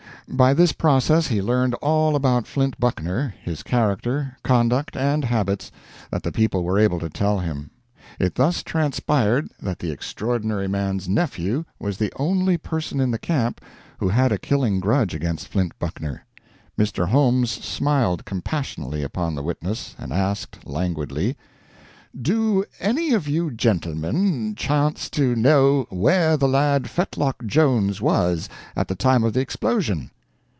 By this process he learned all about Flint Buckner, his character, conduct, and habits, that the people were able to tell him. It thus transpired that the Extraordinary Man's nephew was the only person in the camp who had a killing grudge against Flint Buckner. Mr. Holmes smiled compassionately upon the witness, and asked, languidly "Do any of you gentlemen chance to know where the lad Fetlock Jones was at the time of the explosion?"